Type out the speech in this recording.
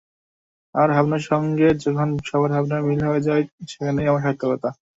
আমার ভাবনার সঙ্গে যখন সবার ভাবনার মিল হয়ে যায়, সেখানেই আমার সার্থকতা।